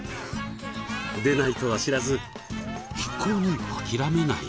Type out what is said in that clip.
出ないとは知らず一向に諦めない。